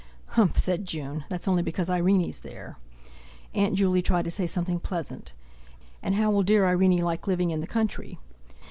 "H'mph!" said June, "that's only because Irene's there!" Aunt Juley tried to say something pleasant: "And how will dear Irene like living in the country?"